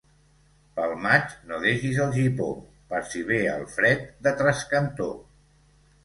Pel maig no deixis el gipó, per si ve el fred de trascantó.